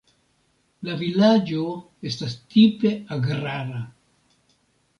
La vilaĝo estas tipe agrara.